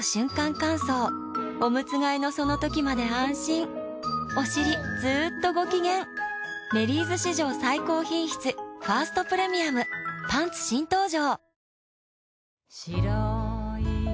乾燥おむつ替えのその時まで安心おしりずっとご機嫌「メリーズ」史上最高品質「ファーストプレミアム」パンツ新登場！